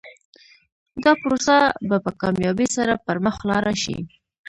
دا پروسه به په کامیابۍ سره پر مخ لاړه شي.